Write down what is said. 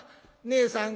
『ねえさん』。